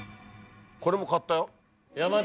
これも買ったよ。